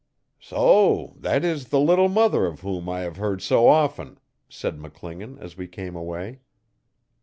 'So that is "The Little Mother" of whom I have heard so often,' said McClingan, as we came away.